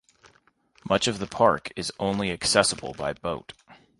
Much of the park is only accessible by boat.